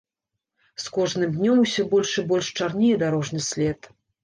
З кожным днём усё больш і больш чарнее дарожны след.